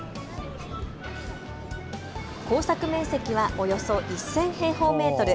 耕作面積はおよそ１０００平方メートル。